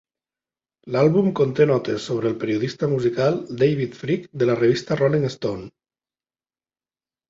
L'àlbum conté notes sobre el periodista musical David Fricke de la revista Rolling Stone.